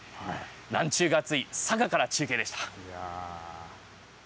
らんちゅうが熱い、佐賀から中継でした。